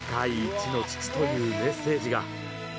世界一の父というメッセージが。